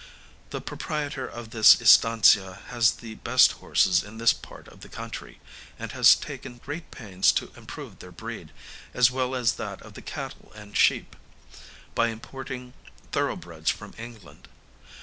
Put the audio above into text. The proprietor of this estancia has the best horses in this part of the country, and has taken great pains to improve their breed, as well as that of the cattle and sheep, by importing thorough breds from England.